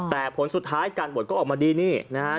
แต่ผลสุดท้ายการบวชก็ออกมาดีนี่นะฮะ